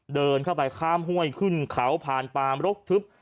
เดินเข้าไปข้ามห้วยขึ้นเขาผ่านปามรกทึบ